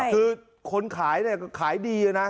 คือคนขายเนี่ยขายดีนะ